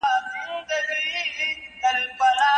له قصاب څخه یې مفتي غوښي وړلې